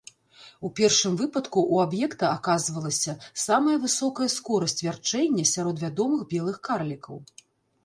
У першым выпадку у аб'екта аказвалася самая высокая скорасць вярчэння сярод вядомых белых карлікаў.